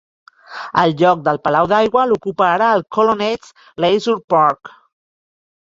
El lloc del palau d'aigua l'ocupa ara el Colonnades Leisure Park.